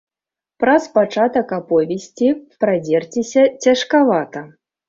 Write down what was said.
Праз пачатак аповесці прадзерціся цяжкавата.